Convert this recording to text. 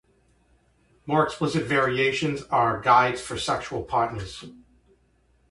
More explicit variations are guides for sexual partners.